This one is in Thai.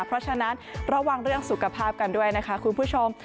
เพราะฉะนั้นระวังเรื่องสุขภาพกันด้วยนะคะคุณผู้ชม